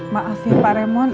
maaf ya pak raymond